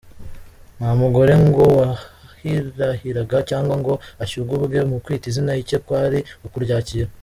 Nta mugore ngo wahirahiraga cyangwa ngo ashyugumbwe mu kwita izina, icye kwari ukuryakira.